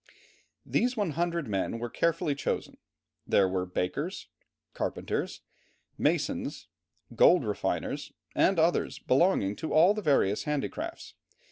These 100 men were carefully chosen; there were bakers, carpenters, masons, gold refiners, and others belonging to all the various handicrafts.